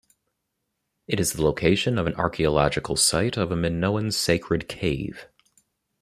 It is the location of an archaeological site of a Minoan sacred cave.